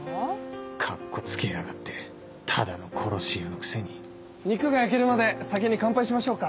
カッコつけやがってただの殺し屋のくせに肉が焼けるまで先に乾杯しましょうか。